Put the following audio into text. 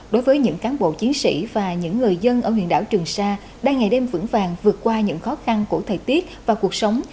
đối với những cán bộ chiến sĩ và những người dân ở huyện đảo trường sa đang ngày đêm vững vàng vượt qua những khó khăn của thời tiết và cuộc sống